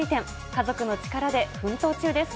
家族の力で奮闘中です。